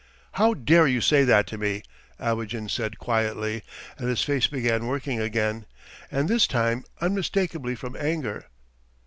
"How dare you say that to me!" Abogin said quietly, and his face began working again, and this time unmistakably from anger.